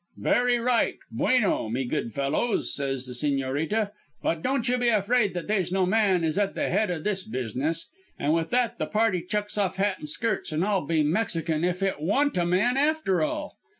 "'Very right, bueno. Me good fellows,' says the Sigñorita, 'but don't you be afraid that they's no man is at the head o' this business.' An' with that the party chucks off hat an' skirts, _and I'll be Mexican if it wa'n't a man after all!